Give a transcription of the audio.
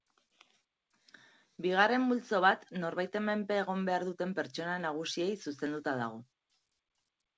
Bigarren multzo bat norbaiten menpe egon behar duten pertsona nagusiei zuzenduta dago.